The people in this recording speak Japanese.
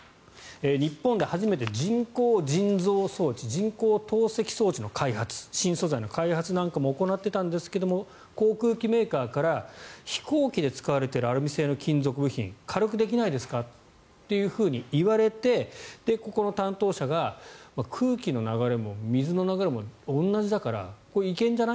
日本で初めて人工腎臓装置人工透析装置の開発新素材の開発なんかも行っていたんですが航空機メーカーから飛行機で使われているアルミ製の金属部品を軽くできないですかと言われてここの担当者が空気の流れも水の流れも同じだから、行けるんじゃない？